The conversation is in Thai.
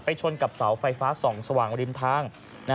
ไปชนกับเสาไฟฟ้า๒สว่างริมทาง